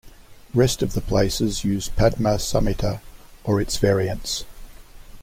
Rest of the places use Padma samhita or its variants.